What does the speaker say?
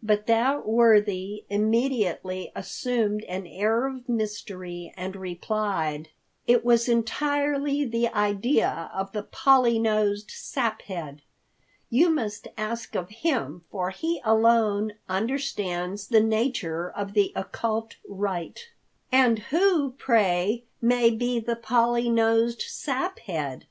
But that worthy immediately assumed an air of mystery and replied, "It was entirely the idea of the Polly nosed Saphead. You must ask of him, for he alone understands the nature of the occult rite." "And who, pray, may be the Polly nosed Saphead?"